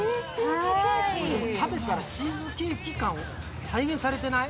食べたらチーズケーキ感、再現されてない？